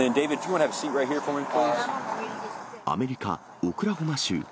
アメリカ・オクラホマ州。